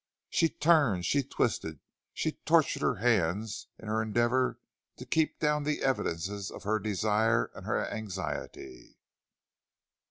She turned, she twisted, she tortured her hands in her endeavor to keep down the evidences of her desire and her anxiety.